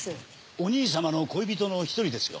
お兄様の恋人の１人ですよ。